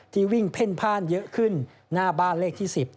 ที่วิ่งเพ่นพ่านเยอะขึ้นหน้าบ้านเลขที่๑๐